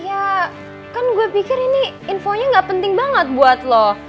ya kan gue pikir ini infonya gak penting banget buat lo